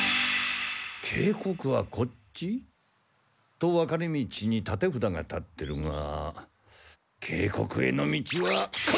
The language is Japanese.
「渓谷はこっち」？と分かれ道に立てふだが立ってるが渓谷への道はこっちだ！